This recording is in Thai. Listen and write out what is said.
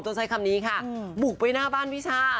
จนใช้คำนี้ค่ะบุกไปหน้าบ้านพี่ช่า